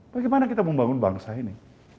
bagaimana kita membangun bangsa ini